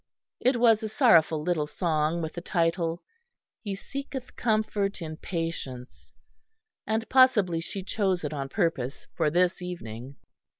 It was a sorrowful little song, with the title, "He seeketh comfort in patience," and possibly she chose it on purpose for this evening.